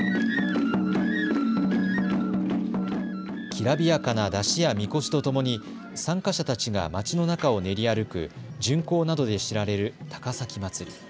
きらびやかな山車やみこしとともに参加者たちが街の中を練り歩く巡行などで知られる高崎まつり。